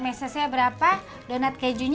mesesnya berapa donat keju